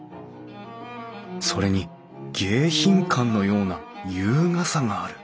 それに迎賓館のような優雅さがある